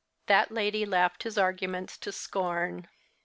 That lady laughed his arguments to scorn.